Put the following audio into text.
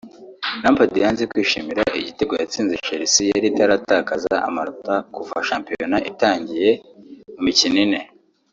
Lampard yanze kwishimira igitego yatsinze Chelsea yari itaratakaza amanota kuva shampiyona itangiye mu mikino ine